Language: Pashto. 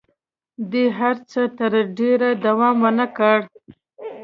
دې هر څه تر ډېره دوام ونه کړ.